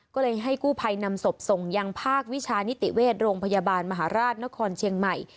ก็เลยให้กู้ภัยนำศพส่งยังภาควิชานิติเวชโรงพยาบาลมหาราชนครเชียงใหม่